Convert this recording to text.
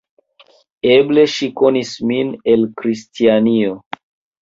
Eble ŝi konis min el Kristianio.